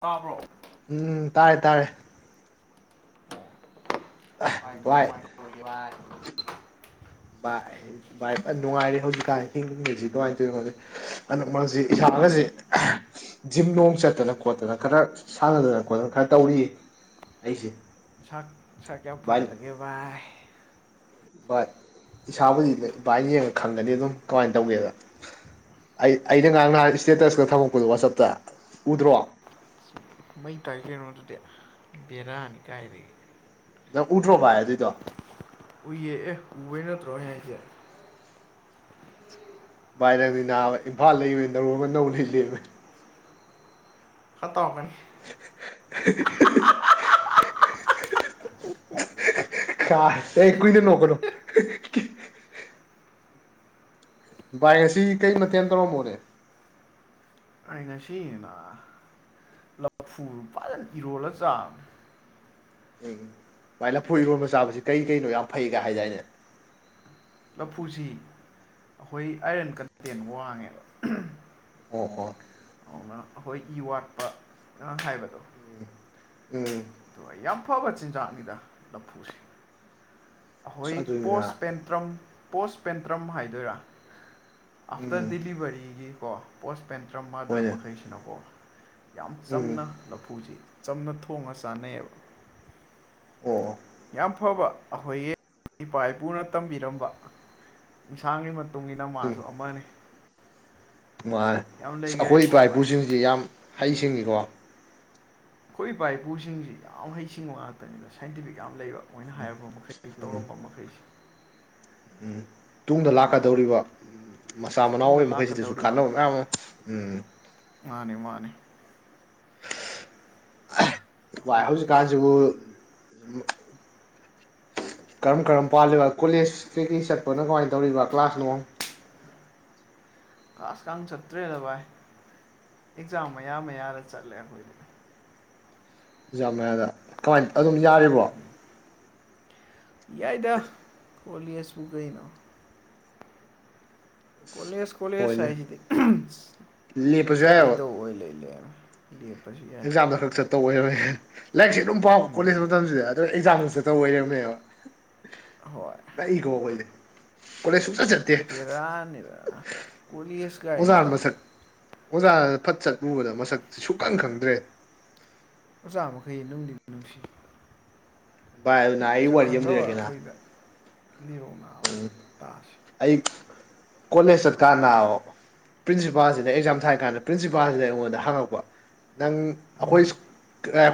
ꯇꯥꯕ꯭ꯔꯣ ꯎꯝ ꯇꯥꯔꯦ ꯇꯥꯔꯦ ꯚꯥꯏ ꯀꯃꯥꯏ ꯀꯃꯥꯏ ꯇꯧꯔꯤꯒꯦ ꯚꯥꯏ ꯚꯥꯏ ꯚꯥꯏ ꯐꯅ ꯅꯨꯡꯉꯥꯏꯔꯤ ꯍꯧꯖꯤꯛꯀꯥꯟꯁꯤ ꯍꯤꯡꯉꯤꯁꯤ ꯀꯃꯥꯏ ꯇꯧꯔꯤꯅꯣ ꯈꯪꯗꯦ ꯍꯟꯗꯛ ꯃꯔꯛꯁꯤ ꯏꯁꯥꯒꯁꯤ ꯖꯤꯝꯅꯨꯡ ꯆꯠꯇꯅ ꯈꯣꯠꯇꯅ ꯈꯔ ꯁꯥꯟꯅꯗꯅ ꯈꯣꯠꯇꯅ ꯈꯔ ꯇꯧꯔꯤꯌꯦ ꯑꯩꯁꯦ ꯁꯥ ꯁꯥ ꯀꯌꯥꯝ ꯚꯥꯏ ꯐꯒꯠꯂꯒꯦ ꯚꯥꯏ ꯚꯥꯏ ꯏꯁꯥꯕꯨꯗꯤ ꯚꯥꯏꯅ ꯌꯦꯡꯉ ꯈꯪꯒꯅꯤ ꯑꯗꯨꯝ ꯀꯃꯥꯏꯅ ꯇꯧꯒꯦꯗꯣ ꯑꯩ ꯑꯩꯅ ꯉꯔꯥꯡ ꯅꯍꯥꯟ ꯏꯁꯇꯦꯇꯁ ꯀ ꯊꯝꯃꯛꯄꯗꯣ ꯋꯥꯆꯞꯇ ꯎꯗ꯭ꯔꯣ ꯃꯩ ꯇꯥꯏ ꯀꯩꯅꯣ ꯑꯗꯨꯗꯤ ꯕꯦꯔꯥꯅꯤ ꯀꯥꯏꯗꯒꯤ ꯅꯪ ꯎꯗ꯭ꯔꯣ ꯚꯥꯏ ꯑꯗꯨꯏꯗꯣ ꯎꯏꯌꯦ ꯑꯦ ꯎꯕꯩ ꯅꯠꯇ꯭ꯔꯣ ꯑꯩ ꯍꯥꯏꯖꯦ ꯚꯥꯏ ꯅꯪꯗꯤ ꯅꯥꯕ ꯏꯝꯐꯥꯜ ꯂꯩꯕꯗꯩ ꯅꯔꯣꯟꯒ ꯅꯧ ꯂꯩ ꯂꯩꯔꯝꯃꯦ ꯈꯔꯇꯧꯔꯛꯀꯅꯤ [unintelligible] [unintelligible] ꯀꯥꯁ ꯑꯦ ꯀꯨꯏꯅ ꯅꯣꯛꯀꯅꯨ [unintelligible] ꯚꯥꯏ ꯉꯁꯤꯒꯤ ꯀꯩ ꯃꯊꯦꯟ ꯇꯧꯔꯃꯣꯅꯦ ꯑꯩ ꯉꯁꯤꯅ ꯂꯐꯨ ꯐꯖꯅ ꯏꯔꯣꯜꯂ ꯆꯥꯕꯅꯦ ꯎꯝ ꯚꯥꯏ ꯂꯐꯨ ꯏꯔꯣꯝꯕ ꯆꯥꯕꯁꯤ ꯀꯩ ꯀꯩꯅꯣ ꯌꯥꯝ ꯐꯩꯒ ꯍꯥꯏꯗꯥꯏꯅꯦ ꯂꯐꯨꯁꯤ ꯑꯈꯣꯏ ꯑꯥꯏꯔꯟ ꯀꯟꯇꯦꯟ ꯋꯥꯡꯉꯦꯕ ꯑꯣ ꯑꯣ ꯑꯗꯨꯅ ꯑꯩꯈꯣꯏ ꯏ ꯋꯥꯠꯄ ꯒꯥꯡ ꯍꯥꯏꯕꯗꯨ ꯎꯝ ꯎꯝ ꯌꯥꯝ ꯐꯕ ꯆꯤꯟꯖꯥꯛꯅꯤꯗ ꯂꯐꯨꯁꯦ ꯑꯍꯣꯏ ꯑꯁ ꯑꯗꯨꯅꯤꯅ ꯄꯣꯁꯄꯦꯟꯇ꯭ꯔꯝ ꯄꯣꯁꯄꯦꯟꯇ꯭ꯔꯝ ꯍꯥꯏꯗꯣꯏꯔꯥ ꯑꯥꯐꯇꯔ ꯎꯝ ꯗꯤꯂꯤꯚꯔꯤꯒꯤ ꯀꯣ ꯄꯣꯁꯄꯦꯟꯇ꯭ꯔꯝ ꯃꯥꯔꯗꯔ ꯍꯣꯏꯅꯦ ꯃꯈꯩꯁꯤꯅꯀꯣ ꯌꯥꯝ ꯎꯝ ꯆꯝꯅ ꯂꯐꯨꯖꯦ ꯆꯝꯅ ꯊꯣꯡꯉ ꯆꯥꯅꯩꯌꯦꯕ ꯑꯣ ꯑꯣ ꯌꯥꯝ ꯐꯕ ꯑꯈꯣꯏꯒꯤ ꯏꯄꯥ ꯏꯄꯨꯅ ꯇꯝꯕꯤꯔꯝꯕ ꯏꯟꯁꯥꯡꯒꯤ ꯃꯇꯨꯡ ꯏꯟꯅ ꯃꯥꯟ ꯁꯨ ꯑꯃꯅꯤ ꯃꯥꯏ ꯌꯥꯝ ꯑꯁ ꯑꯈꯣꯏ ꯂꯩꯈꯔꯦꯀꯣ ꯏꯄꯥ ꯚꯥꯏ ꯏꯄꯨꯁꯤꯡꯁꯤ ꯌꯥꯝ ꯍꯩꯁꯤꯡꯉꯤꯀꯣ ꯑꯩꯈꯣꯏ ꯏꯄꯥ ꯏꯄꯨꯁꯤꯡꯁꯤ ꯌꯥꯝ ꯍꯩꯁꯤꯡꯕ ꯉꯥꯛꯇꯅꯤꯅ ꯁꯥꯏꯟꯇꯤꯐꯤꯛ ꯌꯥꯝ ꯂꯩꯕ ꯃꯣꯏꯅ ꯍꯥꯏꯔꯕ ꯃꯈꯩꯗꯤ ꯇꯧꯔꯝꯕ ꯃꯈꯩꯁꯦ ꯎꯝ ꯇꯨꯡꯗ ꯑꯗꯨꯅꯀꯣ ꯂꯥꯛꯀꯗꯧꯔꯤꯕ ꯃꯁꯥ ꯃꯅꯥꯎ ꯇꯨꯡꯗ ꯑꯣꯏꯕ ꯃꯈꯩꯁꯤꯗꯁꯨ ꯂꯥꯛꯀꯗꯧꯔꯤꯕ ꯀꯥꯟꯅꯕ ꯃꯌꯥꯝ ꯑꯃ ꯎꯝ ꯃꯥꯅꯦ ꯃꯥꯅꯤ ꯚꯥꯏ ꯑꯗꯨꯅ ꯍꯧꯖꯤꯛꯀꯥꯟꯁꯤꯕꯨ ꯀꯔꯝ ꯀꯔꯝ ꯄꯥꯜꯂꯤꯕ ꯀꯣꯂꯦꯖ ꯀꯩ ꯀꯩ ꯆꯠꯄꯅ ꯀꯃꯥꯏꯅ ꯇꯧꯔꯤꯕ ꯀ꯭ꯂꯥꯁꯅꯨꯡ ꯀ꯭ꯂꯥꯁꯀ ꯑꯝ ꯆꯠꯇ꯭ꯔꯦꯗ ꯚꯥꯏ ꯑꯦꯛꯖꯥꯝ ꯃꯌꯥ ꯃꯌꯥꯗ ꯆꯠꯂꯦ ꯑꯩꯈꯣꯏꯗꯤ ꯑꯦꯛꯖꯥꯝ ꯃꯌꯥꯗ ꯀꯃꯥꯏ ꯑꯗꯨꯝ ꯌꯥꯔꯤꯕꯣ ꯌꯥꯏꯗ ꯀꯣꯂꯦꯁꯄꯨ ꯀꯩꯅꯣ ꯀꯣꯂꯦꯖ ꯀꯣꯂꯦꯖ ꯍꯣꯏꯅꯦ ꯍꯥꯏꯁꯤꯗꯤ ꯂꯦꯞꯄꯁꯨ ꯌꯥꯏꯑꯕ ꯆꯠꯂꯣꯏꯗꯧ ꯑꯣꯏ ꯂꯩ ꯂꯩꯔꯝꯃꯦ ꯂꯦꯄꯁꯤ ꯑꯦꯛꯖꯥꯝꯗ ꯈꯛ ꯆꯠꯇꯧꯕ ꯑꯣꯏꯔꯝꯃꯦ ꯂꯥꯏꯔꯤꯛꯁꯤ ꯑꯗꯨꯝ ꯄꯥꯕ ꯀꯣꯂꯦꯖ ꯃꯇꯝꯁꯤꯗ ꯑꯗꯣꯢ ꯑꯦꯛꯖꯥꯝꯗ ꯆꯠꯇꯧ ꯑꯣꯏꯔꯝꯃꯦꯕ ꯍꯣꯏ ꯑꯩ ꯀꯥꯎꯒꯜꯂꯤ ꯀꯣꯂꯦꯁ ꯁꯨꯡꯆꯠ ꯆꯠ ꯕꯦꯔꯥꯅꯤꯗ ꯀꯣꯂꯦꯁ ꯑꯣꯖꯥ ꯃꯁꯛ ꯑꯣꯖꯥ ꯐꯠ ꯆꯠꯂꯨꯕꯗ ꯃꯁꯛ ꯁꯨꯛꯀꯟ ꯈꯪꯗ꯭ꯔꯦ ꯑꯣꯖꯥ ꯃꯈꯩ ꯅꯨꯡꯗꯤ ꯅꯨꯡꯁꯤ ꯚꯥꯥꯏ ꯑꯗꯨ [inaudible] ꯃꯁꯛ ꯈꯪꯗꯕ ꯑꯩꯈꯣꯏꯗ ꯂꯤꯔꯥꯛ ꯅꯥꯕ ꯎꯝ ꯇꯥꯁꯤ ꯑꯩ ꯀꯣꯂꯦꯖ ꯆꯠ ꯀꯥꯟ ꯅꯥꯕ ꯄ꯭ꯔꯤꯟꯁꯤꯄꯥꯜꯁꯤꯗ ꯑꯦꯛꯖꯥꯝ ꯊꯥꯔ ꯀꯥꯟꯗ ꯄ꯭ꯔꯤꯟꯁꯤꯄꯥꯜꯁꯤꯗ ꯑꯩꯉꯣꯟꯗ ꯍꯪꯉꯛꯄ ꯅꯪ ꯎꯝ ꯑꯩꯈꯣꯏ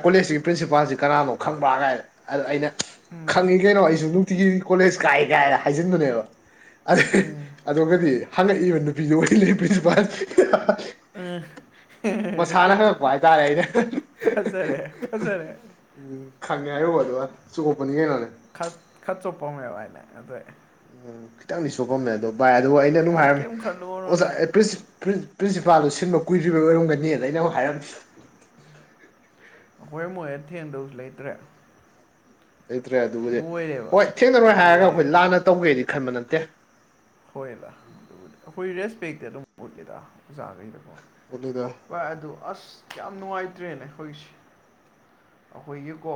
ꯀꯣꯂꯦꯖꯀꯤꯒꯤ ꯄ꯭ꯔꯤꯟꯁꯤꯄꯥꯜꯁꯤ ꯀꯅꯥꯅꯣ ꯈꯪꯕ꯭ꯔꯥ ꯀꯥꯏ ꯑꯩꯅ ꯎꯝ ꯈꯪꯉꯤ ꯀꯩꯅꯣ ꯑꯩꯁꯨ ꯅꯨꯡꯇꯤꯒꯤ ꯀꯣꯂꯦꯖ ꯀꯥꯏ ꯀꯥꯏꯅ ꯍꯥꯏꯖꯤꯟꯕꯅꯦꯕ ꯎꯝ ꯑꯗꯩ ꯑꯗꯨꯒꯗꯤ ꯍꯪꯉꯛꯏꯕ ꯅꯨꯄꯤꯗꯨ ꯑꯣꯢ ꯂꯩ ꯄ꯭ꯔꯤꯟꯁꯤꯄꯥꯜ ꯃꯁꯥꯅ ꯍꯪꯉꯛꯄ ꯍꯥꯏꯇꯥꯔꯦ ꯑꯩꯅ [unintelligible] ꯐꯖꯔꯦ ꯐꯖꯔꯦ ꯎꯝ ꯈꯪꯉꯦ ꯍꯥꯏꯔꯨꯕ ꯑꯗꯨꯒ ꯆꯨꯀꯣꯄꯅꯤ ꯀꯩꯅꯣꯅꯦ [inaudible] ꯈ ꯈꯠ ꯆꯣꯄꯝꯃꯦꯕ ꯍꯥꯏꯅꯦ ꯑꯗꯣꯢ ꯎꯝ ꯈꯤꯇꯪꯅꯤ ꯆꯣꯄꯝꯃꯦ ꯑꯗꯣ ꯚꯥꯏ ꯑꯗꯨꯒ ꯑꯩꯅ ꯃꯥꯏ ꯅꯨꯉꯥꯢꯕ ꯀꯩꯝ ꯈꯜꯂꯨꯔꯅꯨꯗ ꯑꯝꯗꯤ ꯄ꯭ꯔꯤꯟ ꯄ꯭ꯔꯤꯟꯁꯤꯄꯥꯜꯗꯣ ꯁꯤꯟꯕ ꯀꯨꯏꯗ꯭ꯔꯤꯕ ꯑꯣꯏꯔꯝꯒꯅꯤ ꯂꯩꯅꯕ ꯍꯥꯏꯔꯝ ꯑꯣꯏꯔꯝꯃꯣꯏ ꯊꯦꯡꯗꯕꯁꯨ ꯂꯩꯇ꯭ꯔꯦ ꯂꯩꯇ꯭ꯔꯦ ꯑꯗꯨꯕꯨꯗꯤ ꯂꯣꯏꯔꯦꯕ ꯍꯣꯏ ꯊꯦꯡꯅꯔꯣꯏ ꯍꯥꯏꯔꯒ ꯑꯩꯈꯣꯏ ꯂꯣꯏꯔꯦꯕ ꯂꯥꯟꯅ ꯇꯧꯒꯦꯗꯤ ꯈꯟꯕ ꯅꯠꯇꯦ ꯍꯣꯏꯂꯥ ꯑꯗꯨ ꯑꯩꯈꯣꯏ ꯔꯦꯁꯄꯦꯛꯇꯤ ꯑꯗꯨꯝ ꯎꯠꯂꯤꯗ ꯑꯣꯖꯥꯈꯩꯗꯀꯣ ꯎꯗꯨꯗ ꯚꯥꯏ ꯑꯗꯨ ꯑꯁ ꯌꯥꯝ ꯅꯨꯡꯉꯥꯏꯇ꯭ꯔꯦꯅꯦ ꯑꯩꯈꯣꯏꯁꯦ ꯑꯩꯈꯣꯏꯒꯤꯀꯣ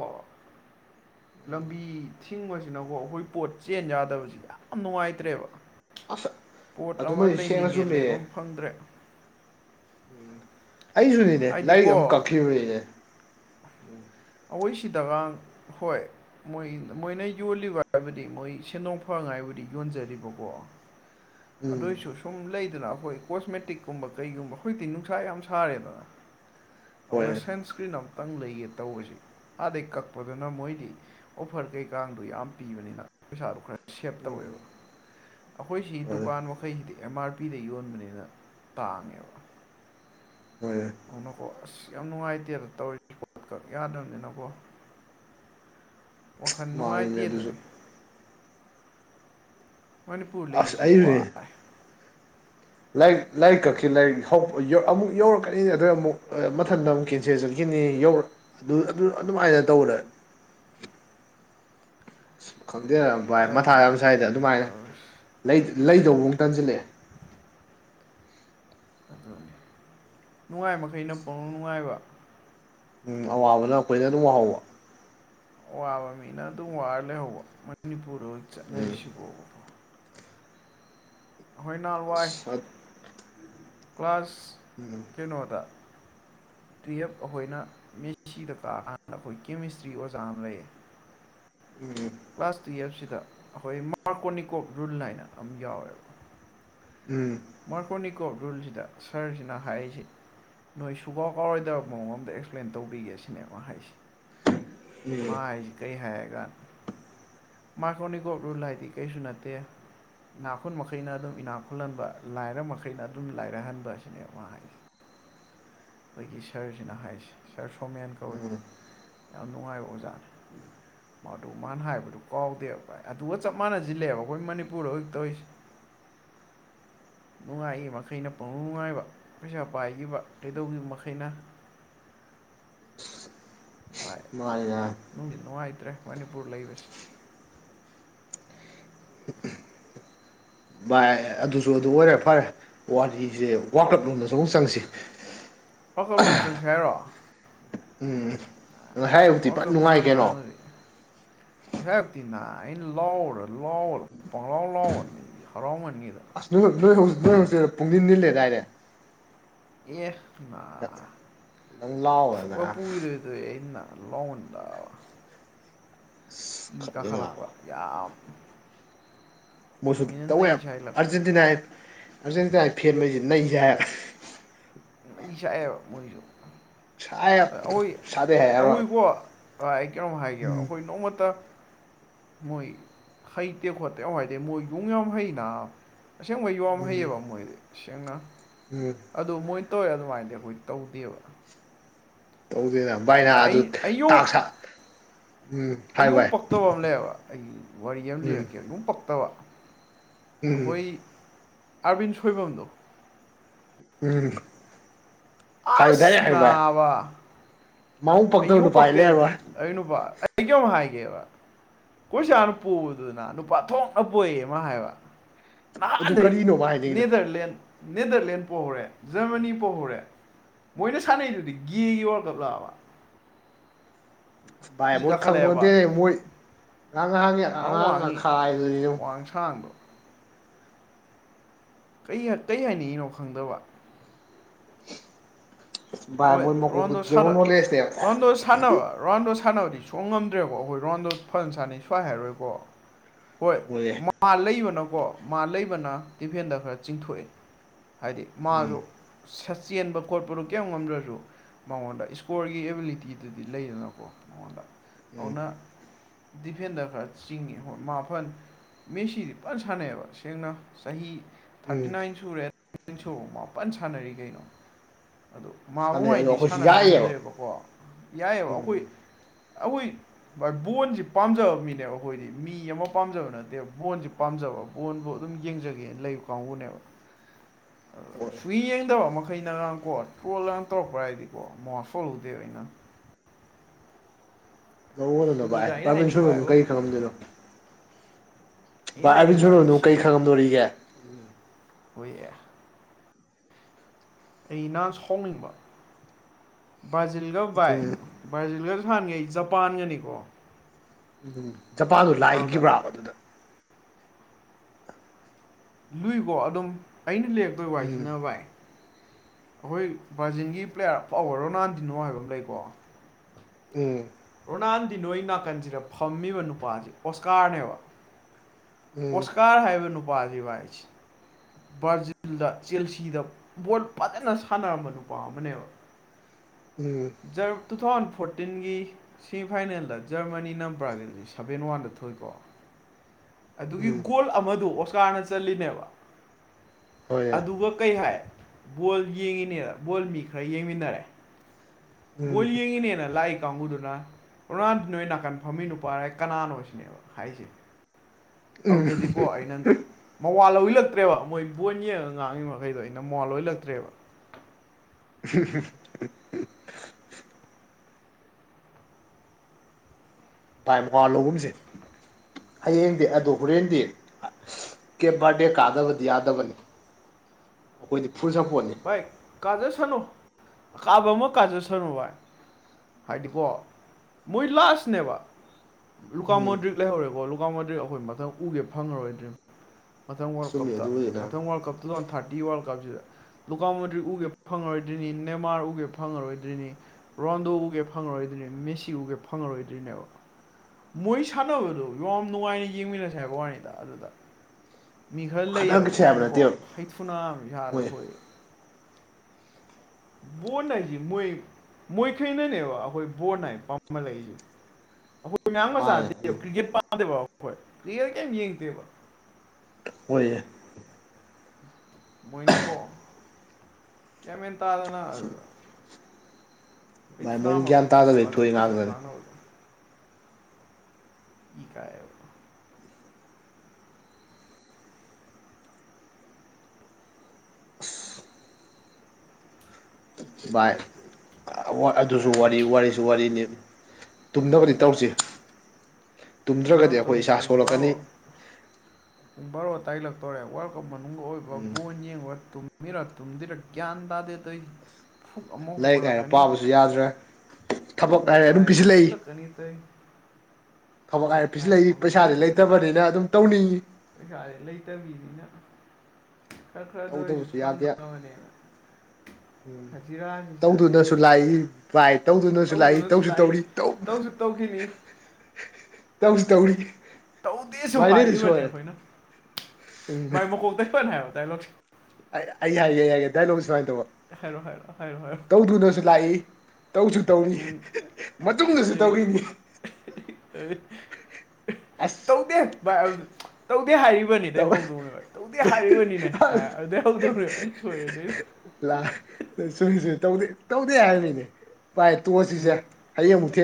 ꯂꯝꯕꯤ ꯊꯤꯡꯕꯁꯤꯅꯀꯣ ꯑꯩꯈꯣꯏ ꯄꯣꯠ ꯆꯦꯟ ꯌꯥꯗꯕꯁꯤ ꯌꯥꯝ ꯅꯨꯡꯉꯥꯏꯇ꯭ꯔꯦꯕ ꯑꯁ ꯄꯣꯠ ꯑꯃ ꯑꯗꯨꯃꯗꯤ ꯁꯦꯡꯅ ꯂꯩꯅꯤꯡꯉꯦ ꯆꯨꯝꯃꯤꯍꯦ ꯂꯩꯐꯝ ꯐꯪꯗ꯭ꯔꯦ ꯑꯩꯁꯨꯅꯤꯅꯦ ꯂꯥꯏꯔꯤꯛ ꯍꯥꯏꯗꯤꯀꯣ ꯑꯃ ꯀꯛꯈꯤꯕꯅꯤꯅꯦ ꯑꯩꯈꯣꯏꯁꯤꯗꯒ ꯍꯣꯏ ꯃꯣꯏ ꯃꯣꯏꯅ ꯌꯣꯜꯂꯤꯕ ꯍꯥꯏꯕꯗꯤ ꯃꯣꯏ ꯁꯦꯟꯗꯣꯡꯐꯪ ꯍꯥꯏꯕꯨꯗꯤ ꯌꯣꯟꯖꯔꯤꯕꯀꯣ ꯎꯝ ꯑꯗꯨꯏꯁꯨ ꯁꯨꯝ ꯂꯩꯗꯅ ꯑꯩꯈꯣꯏ ꯀꯣꯁꯃꯦꯇꯤꯛꯀꯨꯝꯕ ꯀꯩꯒꯨꯝꯕ ꯍꯧꯖꯤꯛꯇꯤ ꯅꯨꯡꯁꯥ ꯌꯥꯝ ꯁꯥꯔꯦꯗꯅ ꯑꯗꯨꯅ ꯍꯣꯏꯅꯦ ꯁꯟꯁꯀ꯭ꯔꯤꯟ ꯑꯃꯇꯪ ꯂꯩꯒꯦ ꯇꯧꯕꯁꯤ ꯑꯥꯗꯩ ꯀꯛꯄꯗꯨꯅ ꯃꯣꯏꯒꯤ ꯑꯣꯐꯔ ꯀꯩꯀꯥꯗꯣ ꯌꯥꯝ ꯄꯤꯕꯅꯤꯅ ꯄꯩꯁꯥꯗꯨ ꯈꯔ ꯁꯦꯞ ꯎꯝ ꯇꯧꯋꯦꯕ ꯑꯩꯈꯣꯏꯁꯤꯗꯨ ꯍꯣꯏꯅꯦ ꯃꯈꯩꯗꯤ ꯑꯦꯝ ꯑꯥꯔ ꯄꯤꯔ ꯌꯣꯟꯕꯅꯤꯅ ꯇꯥꯡꯉꯦꯕ ꯍꯣꯏ ꯑꯗꯨꯅꯀꯣ ꯑꯁ ꯌꯥꯝ ꯅꯨꯡꯉꯥꯏꯇꯦ ꯇꯧꯔꯤ ꯄꯣꯠꯈꯛ ꯌꯥꯗꯕꯅꯤꯅꯀꯣ [unintelligible] [inaudible] ꯋꯥꯈꯜ ꯃꯥꯅꯤꯅꯦ ꯅꯨꯡꯉꯥꯏꯇꯦ ꯑꯗꯨꯁꯨ ꯑꯗꯨꯅꯤ ꯃꯅꯤꯄꯨꯔ ꯑꯁ ꯂꯩꯕꯁꯤ ꯑꯩꯁꯨꯅꯦ ꯋꯥꯔꯦ ꯂꯥꯏꯔꯤꯛ ꯂꯥꯏꯔꯤꯛ ꯀꯛꯈꯤ ꯂꯥꯏꯔꯤꯛ ꯑꯃꯨꯛ ꯌꯧꯔꯛꯀꯅꯤ ꯑꯗꯨ ꯑꯃꯨꯛ ꯃꯊꯟꯅ ꯈꯤꯟ ꯆꯦꯆꯠꯈꯤꯅꯤ ꯌꯧꯔꯛ ꯑꯗꯨ ꯑꯗꯨ ꯑꯗꯨꯃꯥꯏꯅ ꯇꯧꯔꯦ ꯑꯁ ꯈꯪꯗꯦ ꯚꯥꯏ ꯃꯊꯥ ꯌꯥꯝ ꯇꯜꯂꯦꯅ ꯁ꯭ꯋꯥꯏꯗ ꯑꯗꯨꯃꯥꯏꯅ ꯇꯧꯔꯤꯁꯤ ꯂꯩꯗꯧꯕꯨ ꯇꯟꯁꯤꯜꯂꯛꯑꯦ ꯅꯨꯡꯉꯥꯏ ꯃꯈꯩꯅ ꯄꯪꯅꯨꯡꯉꯥꯏꯕ ꯎꯝ ꯑꯋꯥꯕꯅ ꯑꯩꯈꯣꯏꯅ ꯑꯗꯨꯝ ꯋꯥꯍꯧꯕ ꯑꯋꯥꯕ ꯃꯤꯅ ꯑꯗꯨꯝ ꯋꯥꯔ ꯂꯩꯍꯧꯕ ꯃꯅꯤꯄꯨꯔꯗ ꯎꯝ ꯆꯠꯅꯔꯤꯁꯤꯕꯨꯕ ꯍꯣꯏꯅꯥꯜꯋꯥꯏ ꯑꯁ ꯀ꯭ꯂꯥꯁ ꯎꯝ ꯀꯩꯅꯣꯗ ꯇꯨꯌꯦꯞ ꯑꯩꯈꯣꯏꯅ ꯃꯤꯊꯤꯗ ꯇꯥꯔꯀꯥꯟꯗ ꯑꯩꯈꯣꯏ ꯀꯦꯃꯤꯁꯇ꯭ꯔꯤ ꯑꯣꯖꯥ ꯑꯃ ꯂꯩꯌꯦ꯫ ꯎꯝ ꯀ꯭ꯂꯥꯁ ꯇꯨꯌꯦꯞꯁꯤꯗ ꯑꯩꯈꯣꯏ ꯃꯥꯔꯀꯣꯅꯤꯀꯣꯞ ꯔꯨꯜ ꯍꯥꯏꯅ ꯑꯃ ꯌꯥꯎꯋꯦꯕ꯫ ꯎꯝ ꯃꯥꯔꯀꯣꯅꯤꯀꯞ ꯔꯨꯜꯁꯤꯗ ꯁꯥꯔꯁꯤꯅ ꯍꯥꯏꯔꯤꯁꯦ ꯅꯣꯏ ꯁꯨꯀꯥꯎ ꯀꯥꯎꯔꯣꯏꯗꯕ ꯃꯑꯣꯡ ꯑꯃꯝꯗ ꯑꯦꯛꯁꯄ꯭ꯂꯦꯟ ꯇꯧꯕꯤꯒꯦ ꯁꯤꯅꯦꯕ ꯍꯥꯏꯁꯦ ꯎꯝ ꯃꯥ ꯍꯥꯏꯁꯦ ꯀꯩ ꯍꯥꯏꯔꯀꯥꯟꯅ ꯃꯥꯔꯀꯣꯅꯤꯀꯣꯞ ꯔꯨꯜ ꯍꯥꯏꯗꯤ ꯀꯩꯁꯨ ꯅꯠꯇꯦ ꯏꯅꯥꯛ ꯈꯨꯨꯟ ꯃꯈꯩꯅ ꯑꯗꯨꯝ ꯏꯅꯥꯛ ꯈꯨꯜꯍꯟꯕ ꯂꯥꯏꯔ ꯃꯈꯩꯅ ꯑꯗꯨꯝ ꯂꯥꯏꯔꯍꯟꯕ ꯑꯁꯤꯅꯦꯕ ꯃꯥ ꯍꯥꯏꯁꯦ ꯑꯩꯈꯣꯏꯒꯤ ꯁꯥꯔꯁꯤꯅ ꯍꯥꯏꯁꯦ ꯁꯥꯔ ꯁꯣꯃꯦꯟ ꯀꯧꯋꯦ ꯎꯝ ꯌꯥꯝ ꯅꯨꯡꯉꯥꯏꯕ ꯑꯣꯖꯥꯅꯤ ꯃꯗꯨ ꯃꯥꯅ ꯍꯥꯏꯕꯗꯨ ꯀꯥꯎꯗꯦꯕ ꯚꯥꯏ ꯑꯗꯨꯒ ꯆꯞ ꯃꯥꯟꯅꯁꯤꯜꯂꯦꯕ ꯑꯩꯈꯣꯏ ꯃꯅꯤꯄꯨꯔꯗ ꯑꯣꯏ ꯇꯧꯔꯤꯁꯦ꯫ ꯅꯨꯡꯉꯥꯏꯈꯤꯕ ꯃꯈꯩꯅ ꯄꯪꯅꯨꯡꯉꯥꯏꯕ ꯄꯩꯁꯥ ꯄꯥꯏꯈꯤꯕ ꯀꯩꯗꯧꯈꯤꯕ ꯃꯈꯩꯅ ꯍꯣꯏ ꯃꯥꯏꯌꯥ ꯅꯨꯡꯗꯤ ꯅꯨꯡꯉꯥꯏꯇ꯭ꯔꯦ ꯃꯅꯤꯄꯨꯔ ꯂꯩꯕꯁꯦ [unintelligible] ꯚꯥꯏ ꯑꯗꯨꯁꯨ ꯑꯗꯨ ꯑꯣꯏꯔꯦ ꯐꯔꯦ ꯋꯥꯔꯤꯁꯦ ꯋꯥ ꯀ꯭ꯂꯞ ꯂꯣꯝꯗꯁꯨ ꯑꯃꯨꯛ ꯆꯪꯁꯤ [inaudible] ꯄꯥꯀꯜꯂꯣꯝ ꯆꯪꯁꯦ ꯍꯥꯏꯔꯣ ꯎꯝ ꯉꯁꯥꯏꯕꯨꯗꯤ ꯋꯥꯔꯜ ꯄꯨꯠ ꯅꯨꯡꯉꯥꯏ ꯀꯩꯅꯣ꯫ ꯉꯥ ꯍꯥꯏꯇꯤꯅꯥ ꯑꯩꯅ ꯂꯥꯎꯔ ꯂꯥꯎꯔ ꯄꯪꯂꯪꯂꯥꯎ ꯂꯥꯎꯕꯅꯤ ꯍꯔꯥꯎꯃꯟꯒꯤꯗꯅ꯫ ꯑꯁ ꯅꯣꯏ ꯅꯣꯏ ꯍꯧꯖꯤ ꯅꯣꯏ ꯍꯣꯁꯇꯦꯜ ꯄꯨꯡꯅꯤꯟ ꯅꯤꯜꯂꯦ ꯍꯥꯏꯗꯥꯏꯅꯦ꯫ ꯑꯦ ꯉꯥ ꯅꯪ ꯂꯥꯎꯔꯗꯅ ꯐꯨꯛꯑ ꯄꯨꯈꯤꯗꯣꯏ꯫ [unintelligible] ꯏꯟꯅ ꯂꯣꯗ ꯑꯁ ꯏ ꯈꯪꯗꯦ ꯅꯥꯕ ꯀꯥꯈꯠꯂꯛꯄ ꯌꯥꯝ꯫ ꯃꯣꯏꯁꯨ ꯃꯣꯏꯅ ꯅꯩ ꯇꯧꯋꯦꯕ ꯁꯥꯏꯂꯛꯄ ꯑꯥꯔꯖꯦꯟꯇꯤꯅꯥꯏ ꯑꯥꯔꯖꯦꯟꯇꯤꯅꯥꯒꯤ ꯐꯦꯟ ꯉꯣꯏꯁꯤ ꯅꯩꯁꯦ ꯍꯥꯏꯕ ꯑꯩ ꯁꯥꯛꯑꯦꯕ ꯃꯣꯏꯁꯨ ꯁꯥꯏ ꯍꯣꯏ ꯁꯥꯗꯩ ꯍꯥꯏꯔꯣꯏ ꯇꯧꯏꯀꯣ꯫ ꯑ ꯑꯩ ꯀꯩꯅꯣꯝꯛ ꯍꯥꯏꯒꯦ ꯎꯝ ꯑꯩꯈꯣꯏ ꯅꯣꯡꯃꯇ꯫ ꯃꯣꯏ ꯍꯩꯇꯦ ꯈꯣꯠꯇꯦ ꯌꯥꯝ ꯍꯇꯦ ꯃꯣꯏ ꯌꯨꯡ ꯌꯥꯝ ꯍꯩꯅꯥ ꯑꯁꯦꯡꯕꯩꯁꯨ ꯌꯝ ꯎꯝ ꯍꯩꯌꯦꯕ ꯃꯣꯏꯗꯤ ꯁꯦꯡꯅ꯫ ꯎꯝ꯫ ꯑꯗꯨ ꯃꯣꯏ ꯇꯧꯋꯦ ꯑꯗꯨꯃꯥꯏꯅꯗꯤ ꯑꯩꯈꯣꯏ ꯇꯧꯗꯦꯕ꯫ ꯇꯧꯗꯦꯅ ꯚꯥꯏꯅ ꯚꯥꯏ ꯑꯗꯨ ꯑꯩ ꯇꯥꯛꯁ ꯎꯝ ꯍꯥꯏꯌꯨ ꯑꯩꯉꯨꯝ ꯚꯥꯏ ꯄꯛꯇꯕ ꯑꯃ ꯂꯩꯌꯦꯕ ꯑꯩꯒꯤ ꯋꯥꯔꯤ ꯑꯃ ꯎꯝ ꯂꯤꯔꯛꯀꯦ ꯌꯉꯨꯝ ꯄꯛꯇꯕ ꯎꯝ ꯑꯩꯈꯣꯏ ꯑꯔꯕꯤꯟ ꯁꯣꯏꯕꯝꯗꯣ꯫ ꯎꯝ ꯍꯥꯏꯌꯨ ꯑꯁ ꯅꯥꯕ꯫ ꯃꯥꯃꯨꯛ ꯄꯥꯛꯇꯕ ꯅꯨꯄꯗꯤ ꯂꯩꯔꯔꯣꯏ꯫ ꯑꯩꯅ ꯑꯩ ꯀꯅꯣꯝ ꯍꯥꯏꯒꯦꯕ ꯀꯣꯏꯁꯅ ꯄꯨꯕꯗ꯫ ꯑꯗꯨꯅ ꯅꯨꯄꯥ ꯊꯣꯛꯅ ꯄꯨꯏ ꯃꯥꯅ ꯍꯥꯏꯕ ꯑꯗꯨ ꯅꯍꯥꯟꯈꯩ ꯀꯔꯤꯅꯣꯕ ꯍꯥꯏꯅꯤꯡꯉꯤꯗꯣ ꯅꯦꯗꯔꯂꯦꯟ ꯅꯦꯗꯔꯂꯦꯟ ꯄꯣꯛ ꯍꯧꯔꯦ ꯖꯔꯃꯅꯤ ꯄꯣ ꯍꯧꯔꯦ꯫ ꯃꯣꯏꯅ ꯁꯥꯟꯅꯩꯗꯨꯗꯤ ꯒꯦꯒꯤ ꯋꯥꯔ ꯀꯞꯂꯛꯑꯕ ꯑꯁ ꯏ ꯚꯏꯐꯣꯠ ꯈꯪꯕꯣꯟꯗꯦ ꯀꯥꯈꯠꯂꯛꯑꯦꯕ ꯃꯣꯏ ꯉꯍ ꯉꯍꯥꯡꯒꯤ ꯑꯉꯥꯡꯅꯈꯥꯏꯗꯨꯅꯤ ꯑꯗꯨꯝ꯫ ꯈꯥꯡꯕ ꯀꯩ ꯀꯔꯤ ꯍꯥꯏꯅꯤꯡꯉꯤꯅꯣ ꯈꯪꯗꯕ ꯚꯥꯏ ꯍꯣꯏ ꯃꯣꯏ ꯃꯀꯣꯛꯇꯣ ꯔꯣꯟꯗꯣ ꯖꯦꯔꯣ ꯁꯥꯟꯅ ꯅꯣꯂꯦꯖꯅꯦꯕ ꯔꯣꯟꯗꯣ ꯁꯥꯟꯅꯕ ꯔꯥꯎꯟꯗꯣ ꯁꯥꯟꯅꯕꯗꯤ ꯁꯨꯡ ꯉꯝꯗ꯭ꯔꯦꯕꯣ ꯑꯩꯈꯣꯏ ꯔꯥꯎꯟꯗꯣ ꯐꯖꯅ ꯁꯥꯟꯅꯩ ꯁ꯭ꯋꯥꯏ ꯍꯥꯏꯔꯣꯏꯀꯣ꯫ ꯍꯣꯏ ꯃꯣꯏꯁꯦ ꯃꯥ ꯂꯩꯕꯅꯀꯣ ꯃꯥ ꯂꯩꯕꯅ ꯇꯤꯐꯦꯟꯗ ꯈꯔ ꯆꯤꯡꯊꯣꯛꯑꯦ꯫ ꯍꯥꯏꯗꯤ ꯎꯝ ꯃꯥꯁꯨ ꯆꯦꯟꯕ ꯈꯣꯠꯄꯗꯨꯣ ꯀꯩꯝ꯫ ꯉꯝꯗ꯭ꯔꯁꯨ ꯃꯉꯣꯟꯗ ꯏꯁꯀꯣꯔꯒꯤ ꯑꯦꯕꯤꯂꯤꯇꯤꯗꯨꯗꯤ ꯂꯩꯗꯅꯀꯣ ꯃꯉꯣꯟꯗ꯫ ꯎꯝ ꯑꯗꯨꯅ ꯗꯤꯐꯦꯟꯗꯔ ꯈꯔ ꯆꯤꯡꯉꯤ ꯍ ꯃꯥꯐꯝꯜ ꯃꯦꯁꯤꯗꯤ ꯐꯅ ꯁꯥꯟꯅꯩꯑꯕ ꯁꯦꯡꯅ ꯆꯍꯤ꯫ ꯊꯥꯔꯇꯤ ꯎꯝ ꯅꯥꯏꯟ ꯁꯨꯔꯦ [unintelligible] ꯃꯥꯄꯟ ꯁꯥꯟꯅꯔꯤ ꯀꯩꯅꯣ ꯑꯗꯣ ꯁꯥꯟꯅꯩ ꯑꯗꯣ ꯃꯥꯃꯣꯍꯣꯢꯗꯤ ꯑꯩꯈꯣꯏꯁꯨ ꯁꯥꯟꯅ ꯌꯥꯏꯑꯕ ꯉꯝꯗ꯭ꯔꯦꯕꯀꯣ ꯌꯥꯏꯌꯦꯕ ꯑꯈꯣꯏ ꯎꯝ ꯑꯈꯣꯏ ꯚꯥꯏ ꯕꯣꯟꯁꯤ ꯄꯥꯝꯖꯕ ꯃꯤꯅꯦꯕ ꯑꯩꯈꯣꯏꯗꯤ ꯃꯤ ꯑꯃ ꯄꯥꯝꯖꯕ ꯅꯠꯇꯦꯕ ꯕꯣꯟꯁꯤ ꯄꯥꯝꯖꯕ ꯐꯣꯟꯕꯨ ꯑꯗꯨꯝ ꯌꯦꯡꯖꯒꯦ ꯂꯩꯕ ꯀꯥꯡꯕꯨꯅꯦꯕ꯫ [inaudible] ꯑ ꯁꯨꯏ ꯌꯦꯡꯗꯕ ꯃꯈꯩꯅꯒꯥꯡ ꯀꯣ ꯇꯣꯜꯂꯒ ꯇꯧꯔꯛꯄ꯭ꯔꯥ ꯍꯥꯏꯗꯤꯀꯣ ꯃꯣ ꯁꯣꯜꯂꯨꯗꯦ ꯑꯩꯏꯅ꯫ ꯇꯧꯔꯨꯨꯅꯨ ꯕꯥꯏ ꯁꯤꯅꯤꯗ ꯑꯩꯅ ꯄꯥꯔꯃꯦꯟ ꯍꯥꯏꯅꯤꯡꯕ ꯁꯣꯏꯕꯝ ꯑꯗꯨꯝ ꯍꯥꯏꯕꯨ ꯀꯔꯤ ꯈꯪꯂꯝꯗꯣꯏꯅꯣ ꯚ ꯑꯩꯅ ꯑꯕꯤꯟ ꯍꯥꯏꯅꯤꯡꯕ ꯁꯅꯣ ꯍꯥꯏꯕꯨ ꯅꯨ ꯀꯩ ꯁꯤꯅꯤꯗ ꯈꯪꯉꯝꯗꯣꯔꯤꯒꯦ [unintelligible] ꯑꯩ ꯅꯍꯥꯟ ꯁꯥꯎꯅꯤꯡꯕ ꯕ꯭ꯔꯥꯖꯤꯜꯒ ꯕꯥꯏ ꯎꯝ ꯕ꯭ꯔꯥꯖꯤꯜꯒꯁꯨ ꯁꯥꯟꯒꯦ ꯑꯩ ꯖꯄꯥꯟꯒꯅꯤꯀꯣ ꯎꯝ ꯎꯝ ꯖꯄꯥꯟꯗꯣ ꯑꯗꯨꯗ ꯂꯥꯛꯏꯈꯤꯕ꯭ꯔꯥꯕ ꯑꯗꯨꯗ ꯂꯨꯏꯀꯣ ꯑꯗꯨꯝ ꯑꯩꯅ ꯂꯤꯔꯛꯇꯣꯏ ꯎꯝ ꯋꯥꯔꯤꯁꯤꯅ ꯚꯥꯏ꯫ ꯑꯩꯈꯣꯏ ꯕ꯭ꯔꯥꯖꯤꯜꯒꯤ ꯄ꯭ꯂꯦꯌꯥꯔ ꯑꯐꯥꯎꯕ ꯔꯣꯅꯥꯜꯗꯤꯅꯣ ꯍꯥꯏꯕ ꯑꯃ ꯂꯩꯀꯣ꯫ ꯎꯝ꯫ ꯔꯣꯅꯥꯜ ꯗꯤ ꯅꯣꯏ ꯅꯥꯀꯟꯁꯤꯗ ꯐꯝꯃꯤꯕ ꯅꯨꯄꯥꯁꯤ ꯑꯣꯁꯀꯥꯔꯅꯦꯕ꯫ ꯎꯝ ꯎꯥꯁꯀꯥꯔ ꯍꯥꯏꯕ ꯅꯨꯄꯥꯖꯤ ꯕꯥꯥꯏ꯫ ꯕ꯭ꯔꯥꯖꯤꯜꯗ ꯆꯦꯜꯁꯤꯗ ꯐꯨꯠ ꯕꯣꯜ ꯐꯖꯅ ꯁꯥꯟꯅꯔꯝꯕ ꯅꯨꯄꯥ ꯑꯃꯅꯦꯕ꯫ ꯎꯝ ꯇꯨ ꯊꯥꯎꯖꯟ ꯐꯣꯔꯇꯤꯟꯒꯤ ꯁꯤꯃꯤ ꯐꯥꯏꯅꯦꯜꯗ ꯖꯔꯃꯅꯤꯅ ꯕ꯭ꯔꯥꯖꯤꯜꯁꯤ ꯁꯚꯦꯟ ꯋꯥꯟꯗ ꯊꯣꯛꯏꯀꯣ [unintelligible] ꯑꯗꯨꯒꯤ ꯎꯝ ꯒꯣꯜ ꯑꯃꯗꯨ ꯑꯣꯀꯥꯔꯅ ꯆꯜꯂꯤꯠꯂꯤꯅꯦꯕ ꯍꯣꯏꯅꯦ ꯑꯗꯨꯒ ꯀꯩ ꯍꯥꯏ ꯕꯣꯜ ꯌꯦꯡꯉꯤꯅꯦꯗ ꯕꯣꯜ ꯃꯤ ꯈꯔ ꯌꯦꯡꯃꯤꯟꯅꯔꯦ ꯎꯝ ꯣꯂꯤꯌꯦꯉꯅꯦꯅ ꯂꯥꯏꯛ ꯀꯥꯡꯕꯨꯗꯨꯅ ꯂꯔꯥꯟꯗꯤ ꯅꯣꯏ ꯅꯥꯀꯟ ꯐꯝꯃꯤ ꯅꯨꯄꯥꯔ ꯀꯅꯥꯅꯣ ꯑꯣꯏꯁꯤꯅꯦꯕ ꯍꯥꯏꯁꯦ ꯎꯝ ꯑꯗꯗꯤꯀꯣ ꯑꯩꯅꯟ ꯃꯋꯥꯜ ꯂꯤꯜꯂꯛꯇ꯭ꯔꯦꯕ ꯃꯣꯏ ꯕꯣꯟ ꯌꯦꯡꯉꯒ ꯉꯥꯡꯉꯤ ꯃꯈꯩꯗꯣ ꯑꯩꯅ ꯃꯋꯥꯜ ꯂꯍꯜꯂꯛꯇ꯭ꯔꯦꯕ [unintelligible] ꯕꯥꯏ ꯃꯀꯔ ꯂꯧꯕꯁꯦ ꯍꯌꯦꯡꯗꯤ ꯑꯗꯨꯣ ꯍꯣꯔꯦꯟꯗꯤ ꯀꯦ ꯕꯥꯔꯗꯦ ꯀꯥꯗꯕꯗꯤ ꯌꯥꯗꯕꯅꯤ ꯑꯩꯈꯣꯏꯗꯤ ꯐꯨꯜ ꯁꯞꯄꯣꯔꯠꯅꯤ ꯚꯥꯏ ꯀꯥꯖꯠ ꯁꯅꯨ ꯀꯥꯕ ꯑꯃ ꯀꯥꯖꯠ ꯁꯅꯨ ꯚꯥꯏ ꯍꯥꯏꯗꯤꯀꯣ ꯃꯣꯏ ꯂꯥꯁꯅꯦꯕ ꯂꯨꯀꯥ ꯎꯝ ꯃꯟꯇ꯭ꯔꯤ ꯂꯩꯍꯧꯔꯦꯕꯣ ꯂꯨꯀꯥꯛꯃꯗꯤ ꯑꯩꯈꯣꯏ ꯃꯊꯪ ꯎꯒꯦ ꯐꯪꯈꯔꯣꯏꯗ꯭ꯔꯦ ꯃꯊꯪ ꯋꯥꯔꯜ ꯆꯨꯝꯃꯤ ꯀꯞꯇ ꯑꯗꯨꯕꯨꯗꯤ ꯅꯪ ꯃꯊꯪ ꯋꯥꯔꯜ ꯀꯞꯇꯨꯗ ꯊꯥꯔꯇꯤ ꯋꯥꯔꯜ ꯀꯞꯁꯤꯗ ꯂꯗꯨꯀꯥꯟ ꯃꯟꯇ꯭ꯔꯤ ꯎꯒꯦ ꯐꯪꯉꯔꯣꯏꯗ꯭ꯔꯤꯅꯤ ꯅꯦꯟꯃꯥꯔ ꯎꯒꯦ ꯐꯉꯔꯣꯏꯗ꯭ꯔꯤꯅꯤ ꯔꯥꯟꯗꯣ ꯎꯒꯦ ꯐꯪꯉꯔꯣꯏꯗꯣꯏꯅꯦ ꯃꯦꯁꯤ ꯎꯒꯦ ꯐꯪꯉꯔꯣꯏꯗꯣꯏꯅꯦꯕ ꯃꯣꯏ ꯁꯥꯟꯅꯕꯗꯨ ꯌꯥꯝ ꯅꯨꯡꯉꯥꯏꯅ ꯌꯦꯡꯃꯤꯟꯅꯁꯦ ꯍꯥꯏꯕ ꯋꯥꯅꯤꯗ ꯑꯗꯨꯗ ꯃꯤ ꯈꯔ ꯂꯩꯌꯦꯕ ꯈꯠꯅꯈꯤꯁꯦ ꯍꯥꯏꯕ ꯃꯣꯏꯅꯀꯣ ꯅꯠꯇꯦꯕ ꯍꯩꯊꯨꯅꯥ ꯑꯃ ꯁꯥꯔꯗꯣ ꯃꯣꯏ ꯍꯣꯏ ꯕꯣꯔꯠ ꯍꯥꯏꯁꯦ ꯃꯣꯏ ꯃꯣꯏꯈꯩꯅꯅꯦꯕ ꯑꯩꯈꯣꯏ ꯕꯣꯔꯠ ꯅꯥꯏ ꯄꯥꯃꯜ ꯂꯩꯏꯁꯦ ꯑꯩꯈꯣꯏ ꯃꯌꯥꯝ ꯃꯥꯅꯦ ꯃꯆꯥꯥꯗꯦ ꯀ꯭ꯔꯤꯛꯀꯦꯠ ꯄꯥꯝꯗꯦꯕ ꯑꯩꯈꯣꯏ ꯄ꯭ꯂꯦꯌꯔ ꯀꯩꯝ ꯌꯦꯡꯗꯦꯕ ꯑꯗꯣ ꯑꯣꯏꯌꯦ ꯃꯣꯏꯅꯀꯣ ꯀꯌꯥꯝꯃꯦꯟ ꯇꯥꯗꯅ ꯑꯗꯨꯒ ꯚꯥꯏ ꯏꯠꯐꯅꯥ ꯃꯣꯏꯅ ꯒ꯭ꯌꯥꯟ ꯑꯃꯃꯟ ꯏꯐꯥ ꯇꯥꯗꯕꯩ ꯊꯣꯛꯏ ꯆꯠꯂ ꯆ ꯉꯥꯛꯇꯅꯤ ꯉꯅ ꯄ ꯀꯑ ꯚꯥꯏ ꯚꯥꯏ ꯑꯗꯨꯁꯨ ꯑꯗꯣ ꯋꯥꯔꯤ ꯋꯥꯔꯤꯁꯨ ꯋꯥꯔꯤꯅꯤ ꯇꯨꯝꯅꯕꯗꯤ ꯃꯥꯅꯦ ꯚꯥꯏ ꯇꯧꯁꯤ ꯇꯨꯝꯗ꯭ꯔꯒꯗꯤ ꯇꯨꯝꯅꯕ ꯑꯩꯈꯣꯏ ꯇꯧꯁꯤ ꯏꯁꯥ ꯄꯨꯡ ꯕꯥꯔꯣ ꯁꯣꯜꯂꯛꯀꯅꯤ ꯄꯨꯡ ꯕꯥꯔꯣ ꯋꯥ ꯇꯥꯜꯂꯛꯇꯧꯔꯦ ꯋꯥꯔꯜ ꯀꯞ ꯃꯅꯨꯡꯗ ꯑꯣꯏꯕ ꯎꯝ ꯕꯣꯣꯟ ꯌꯦꯡꯕꯔ ꯇꯨꯝꯔꯛ ꯀꯌꯥ ꯑꯟꯗꯗ ꯇ ꯂꯥꯏꯔꯤꯛ ꯂꯥꯏꯔ ꯄꯥꯕꯁꯨ ꯌꯥꯗ꯭ꯔꯦ ꯊꯕꯛ ꯉꯥꯏꯔꯦ ꯑꯗꯨꯝ ꯄꯁꯤꯜꯂꯛꯏ ꯀꯅꯤ ꯇ ꯊꯕꯛ ꯍꯥꯏꯥꯏꯔ ꯄꯁꯤ ꯂꯩꯏ ꯄꯩꯁꯥꯗꯤ ꯂꯩꯇꯕꯅꯤꯅ ꯑꯗꯨꯝ ꯇꯧꯅꯤꯡꯏꯤ ꯀꯩꯀꯥꯔꯦ ꯂꯩꯇꯕꯤꯅꯤꯅ ꯈꯔ ꯈꯔꯗ ꯑꯣꯏꯔꯁꯨ ꯇꯧꯗꯕꯁꯨ ꯌꯥꯗꯦ ꯐꯪꯅꯕꯅꯦꯅ ꯐꯖꯤꯔꯥꯁꯤ ꯆꯠꯂꯤ ꯇꯧꯗꯨꯅꯁꯨ ꯂꯥꯛꯏ ꯚꯏ ꯇꯧꯗꯨꯅꯁꯨ ꯂꯥꯛꯏ ꯇꯧꯁꯨ ꯂꯥꯛꯏ ꯇꯧꯔꯤ ꯇꯧ ꯇꯧꯁꯨ ꯇꯧꯈꯤꯅꯤ ꯇꯧꯁꯤ ꯇꯧꯁꯤ ꯇꯧꯗꯦꯁꯨ ꯍꯥꯏꯔꯤꯕꯅꯦ ꯑꯩꯈꯣꯏꯅ ꯎꯝ ꯕꯥꯏ ꯃꯀꯣꯛ ꯇ ꯐꯅꯤ ꯍꯥꯏꯕ ꯗꯥꯏꯂꯣꯛꯁꯦ ꯑꯩ ꯍꯥꯏꯒꯦ ꯑꯩ ꯍꯥꯏꯒꯦ ꯗꯥꯏꯂꯣꯛ ꯁꯨꯃꯥꯏꯅ ꯇꯧꯕ ꯍꯥꯏꯔꯣ ꯍꯥꯏꯔꯣ ꯍꯥꯏꯔꯣ ꯍꯥꯏꯔꯣ ꯇꯧꯗꯨꯅꯁꯨ ꯂꯥꯛꯏ ꯇꯧꯁꯨ ꯇꯧꯅꯤ ꯎꯝ ꯃꯇꯨꯡꯗꯁꯨ ꯇꯧꯈꯤꯅꯤ ꯇꯧꯗꯦ ꯇꯧꯗꯦ ꯍꯥꯏ ꯅꯤꯗꯩ ꯇꯧ ꯍꯧꯗꯧꯅꯦꯕ ꯇꯧꯗꯤꯍꯥꯏꯔꯤꯕꯅꯤꯅꯦ ꯑꯗꯨꯗꯩ ꯍꯧꯗꯧꯅꯦꯕ ꯑꯩ ꯁꯣꯏꯔꯦꯗꯩ ꯂꯥꯛ ꯁꯨ ꯁꯨ ꯇꯧꯗꯦ ꯇꯧꯗꯦ ꯍꯥꯏꯕꯅꯤꯅꯦ ꯄꯥꯏ ꯇꯣꯛꯑꯁꯤꯁꯦ ꯎꯝ ꯑꯩ ꯑꯃꯨꯛ